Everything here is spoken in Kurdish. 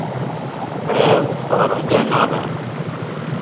Ew arode nabe.